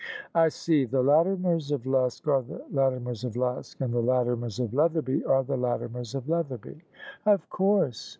" I see : the Latimers of Luske are the Latimers of Luske, and the Latimers of Leatherby are the Latimers of Leatherby." " Of course.